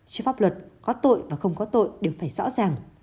trước pháp luật có tội và không có tội đều phải rõ ràng